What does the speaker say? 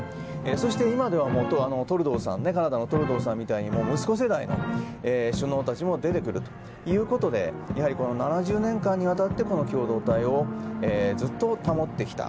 そして今ではカナダのトルドーさんみたいに息子世代の首脳たちも出てくるということで７０年間にわたって共同体をずっと保ってきた。